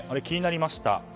気になりました。